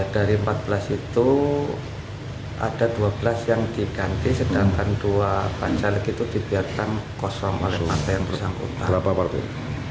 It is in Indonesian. dari empat belas itu ada dua belas yang diganti sedangkan dua pancaleg itu dibiarkan kosong oleh partai yang bersangkutan